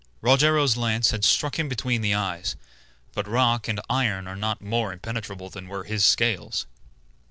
Rogero's lance had struck him between the eyes; but rock and iron are not more impenetrable than were his scales.